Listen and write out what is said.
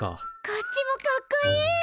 こっちもかっこいい！